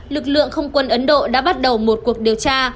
lực lượng không quân ấn độ đã bắt đầu một cuộc điều tra